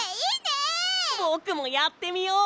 ぼくもやってみよう！